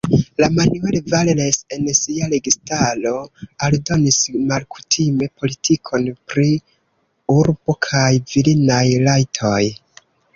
La Manuel Valls en sia registaro aldonis malkutime politikon pri urbo kaj virinaj rajtoj.